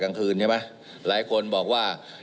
กลางคืนใช่ไหมหลายคนบอกว่า